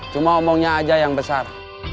cuma omongnya aja yang besar